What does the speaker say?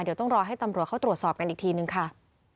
เดี๋ยวต้องรอให้ตำรวจเขาตรวจสอบกันอีกทีนึงค่ะ